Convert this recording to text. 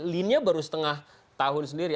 linnya baru setengah tahun sendiri